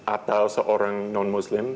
atau seorang non muslim